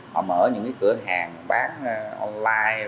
họ mở những cái cửa hàng bán online